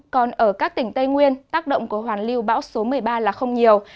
còn ở các tỉnh tây nguyên tác động của hoàn lưu bão số một mươi ba là không nhiều